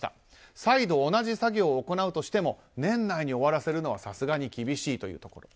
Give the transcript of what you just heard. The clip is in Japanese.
再度同じ作業を行うとしても年内に終わらせるのはさすがに厳しい。